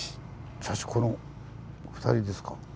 茶師この２人ですか？